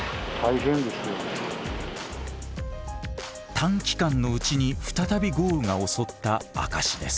短期間のうちに再び豪雨が襲った証しです。